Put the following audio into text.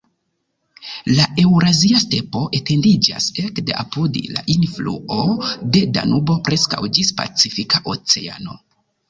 La Eŭrazia Stepo etendiĝas ekde apud la enfluo de Danubo preskaŭ ĝis Pacifika Oceano.